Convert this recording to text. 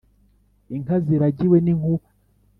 inka ziragiwe n'inkuba,